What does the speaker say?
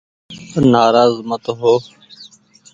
نآراز مت هو